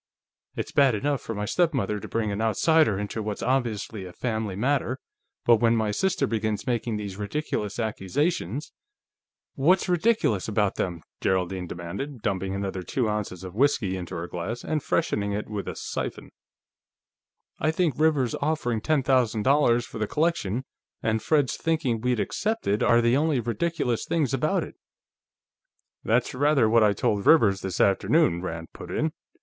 It's bad enough for my stepmother to bring an outsider into what's obviously a family matter, but when my sister begins making these ridiculous accusations ..." "What's ridiculous about them?" Geraldine demanded, dumping another two ounces of whiskey into her glass and freshening it with the siphon. "I think Rivers's offering ten thousand dollars for the collection, and Fred's thinking we'd accept it, are the only ridiculous things about it." "That's rather what I told Rivers, this afternoon," Rand put in.